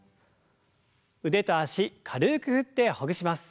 腕と脚軽く振ってほぐします。